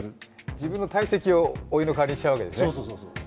自分の堆積をお湯の代わりにしちゃうんですね。